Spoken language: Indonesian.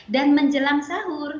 dan menjelang sahur